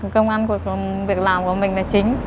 công an của việc làm của mình là chính